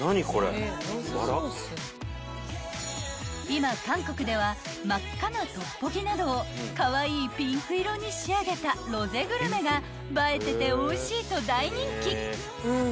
［今韓国では真っ赤なトッポギなどをカワイイピンク色に仕上げたロゼグルメが映えてておいしいと大人気］